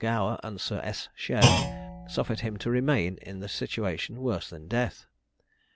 Gower and Sir S. Shairp suffered him to remain in a situation worse than death.